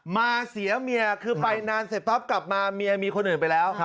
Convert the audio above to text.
มาเสียเมียคือไปนานเสร็จปั๊บกลับมาเมียมีคนอื่นไปแล้ว